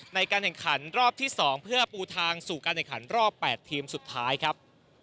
ในการแข่งขันรอบที่๒เพื่อปูทางสู่การแข่งขันรอบ๘ทีมสุดท้ายครับ